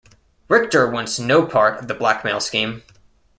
Richter wants no part of the blackmail scheme.